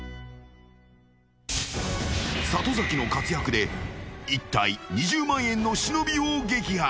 ［里崎の活躍で１体２０万円の忍を撃破］